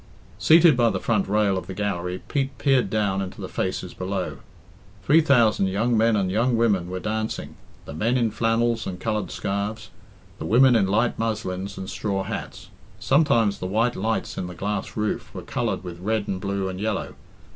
Seated by the front rail of the gallery, Pete peered down into the faces below. Three thousand young men and young women were dancing, the men in flannels and coloured scarves, the women in light muslins and straw hats. Sometimes the white lights in the glass roof were coloured with red and blue and yellow.